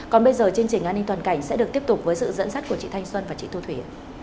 còn bây giờ chương trình an ninh toàn cảnh sẽ được tiếp tục với sự dẫn dắt của chị thanh xuân và chị thu thủy